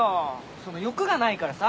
その欲がないからさ。